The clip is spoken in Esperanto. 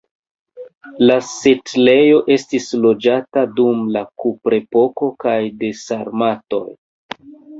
La setlejo estis loĝata dum la kuprepoko kaj de sarmatoj.